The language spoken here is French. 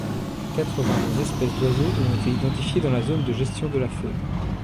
Quatre-vingt-deux espèces d'oiseaux ont été identifiées dans la zone de gestion de la faune.